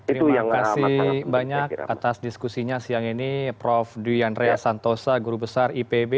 terima kasih banyak atas diskusinya siang ini prof duyandrea santosa guru besar ipb